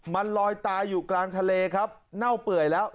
มันลอยตายอยู่กลางทะเลครับเน่าเปื่อยแล้ว